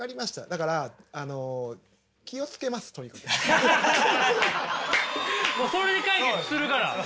だからあのそれで解決するから。